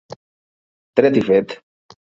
Dret i fet.